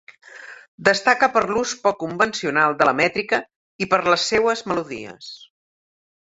Destaca per l'ús poc convencional de la mètrica i per les seues melodies.